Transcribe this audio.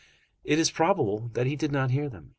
It is probable that he did not hear them.